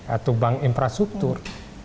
atau bank infrastruktur